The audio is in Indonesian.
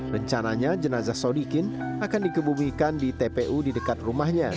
rencananya jenazah sodikin akan dikebumikan di tpu di dekat rumahnya